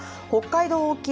北海道沖